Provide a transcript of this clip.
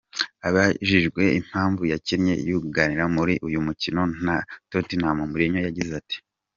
Abajijwe impamvu yakinnye yugarira muri uyu mukino na Tottenham, Mourinho yagize ati:.